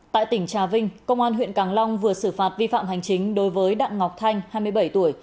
tại tỉnh trà vinh công an huyện càng long vừa xử phạt vi phạm hành chính đối với đặng ngọc thanh hai mươi bảy tuổi